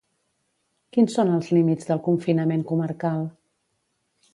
Quins són els límits del confinament comarcal?